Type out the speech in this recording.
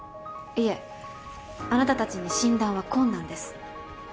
いえあなたたちに診断は困難です。